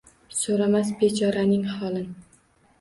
So‘ramas bechoraning holin